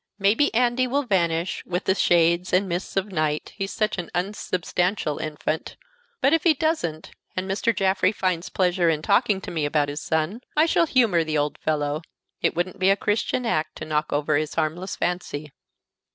Maybe Andy will vanish with the shades and mists of night, he's such an unsubstantial infant; but if he doesn't, and Mr. Jaffrey finds pleasure in talking to me about his son, I shall humor the old fellow. It wouldn't be a Christian act to knock over his harmless fancy."